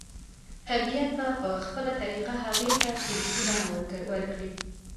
طبيعت به په خپله طريقه هغې ته فزيکي بڼه ورکړي.